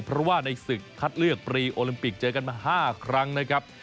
เพราะว่าในศึกคัดเลือกปรีโอลิมปิกเจอกันมา๕ครั้งนะครับ